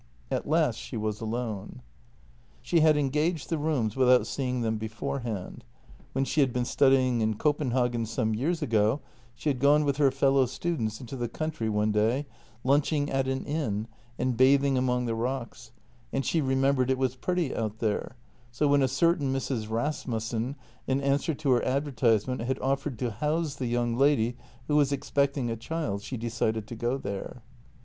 At last she was alone. She had engaged the rooms without seeing them beforehand. When she had been studying in Copenhagen some years ago she had gone with her fellow students into the country one day, lunching at an inn and bathing among the rocks, and she remembered it was pretty out there, so when a certain Mrs. Rasmussen, in answer to her advertisement, had offered to house the young lady who was expecting a child, she decided to go there.